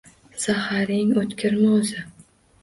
— Zaharing o‘tkirmi o‘zi?